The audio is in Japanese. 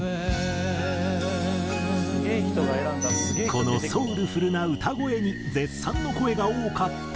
このソウルフルな歌声に絶賛の声が多かったが。